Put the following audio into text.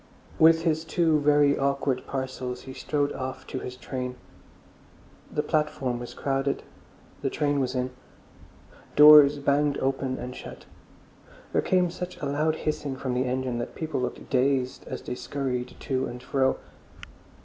With his two very awkward parcels he strode off to his train. The platform was crowded, the train was in. Doors banged open and shut. There came such a loud hissing from the engine that people looked dazed as they scurried to and fro.